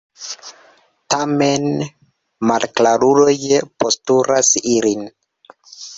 Tamen, malklaruloj postkuras ilin.